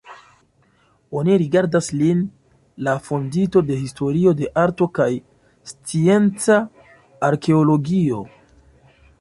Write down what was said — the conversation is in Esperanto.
Oni rigardas lin la fondinto de historio de arto kaj scienca arkeologio.